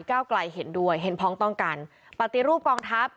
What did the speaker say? เก้าไกลเห็นด้วยเห็นพ้องต้องกันปฏิรูปกองทัพ